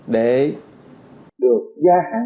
để được gia hàng